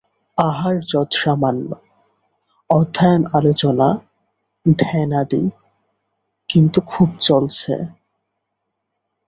আহার যৎসামান্য, অধ্যয়ন আলোচনা ধ্যানাদি কিন্তু খুব চলছে।